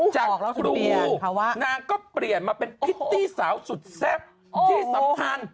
จากครูนางก็เปลี่ยนมาเป็นพิตตี้สาวสุดแซ่บที่สำคัญ